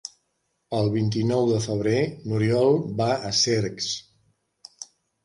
El vint-i-nou de febrer n'Oriol va a Cercs.